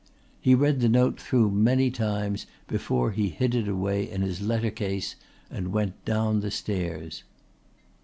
He read the note through many times before he hid it away in his letter case and went down the stairs.